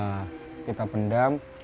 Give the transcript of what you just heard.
masa lalu kita pendam